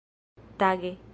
tage